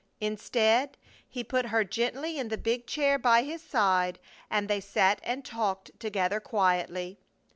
Instead, he put her gently in the big chair by his side, and they sat and talked together quietly.